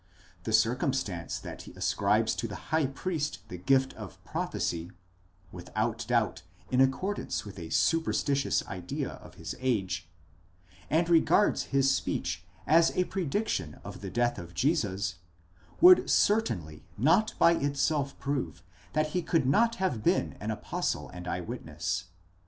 The circumstance that he ascribes to the high priest the gift of prophecy (without doubt in accordance with a superstitious idea of his age*), and regards his speech as a prediction of the death of Jesus, would certainly not by itself prove that he could not have been an apostle and eye witness.